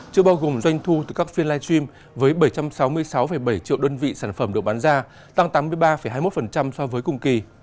chưa bao gồm doanh thu từ các phiên live stream với bảy trăm sáu mươi sáu bảy triệu đơn vị sản phẩm được bán ra tăng tám mươi ba hai mươi một so với cùng kỳ